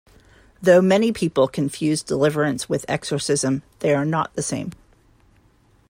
Though many people confuse deliverance with exorcism, they are not the same.